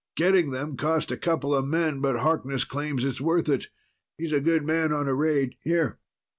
Getting them cost a couple of men, but Harkness claims it's worth it. He's a good man on a raid. Here!"